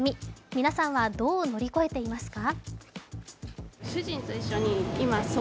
皆さんはどう乗り越えていますか？